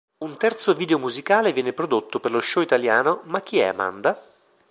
Un terzo video musicale viene prodotto per lo show italiano "Ma chi è Amanda?.